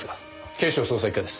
警視庁捜査一課です。